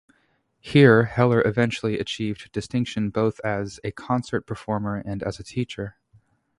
Here Heller eventually achieved distinction both as a concert performer and as a teacher.